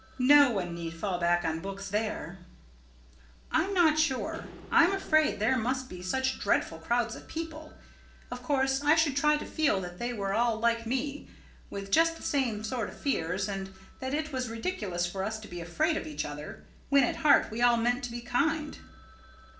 No one need fall back on books there." "I'm not sure. I'm afraid there must be such dreadful crowds of people. Of course I should try to feel that they were all like me, with just the same sort of fears, and that it was ridiculous for us to be afraid of each other, when at heart we all meant to be kind."